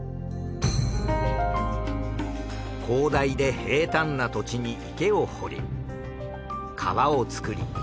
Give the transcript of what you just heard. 広大で平坦な土地に池を掘り川を造り